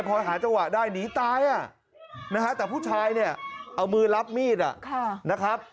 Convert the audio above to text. พอหาจังหวะได้หนีตายนะฮะแต่ผู้ชายเนี่ยเอามือรับมีดนะครับ